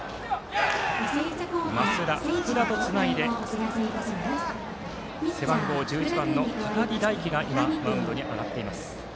増田、福田とつないで背番号１１番の高木大希が今、マウンドに上がっています。